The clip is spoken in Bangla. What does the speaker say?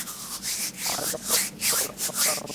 আমাদের লক্ষ্যকে একটা শব্দে প্রকাশ করার অনুমতি দাও!